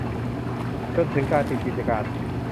จนถึงการปิดกิจการ